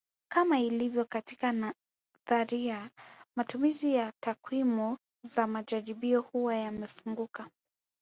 Kama ilivyo katika nadharia matumizi ya takwimu za majaribio huwa yamefunguka